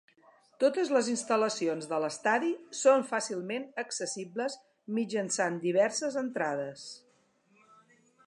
Totes les instal·lacions de l'estadi són fàcilment accessibles mitjançant diverses entrades.